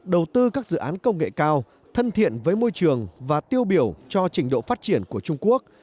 đầu tư các dự án công nghệ cao thân thiện với môi trường và tiêu biểu cho trình độ phát triển của trung quốc